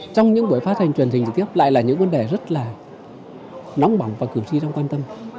trong những buổi phát hành truyền hình trực tiếp lại là những vấn đề rất là nóng bỏng và cử tri đang quan tâm